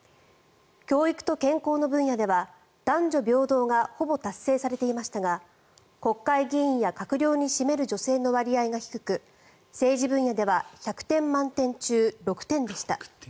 教育と健康の分野では男女平等がほぼ達成されていましたが国会議員や閣僚に占める女性の割合が低く政治分野では１００点満点中６点でした。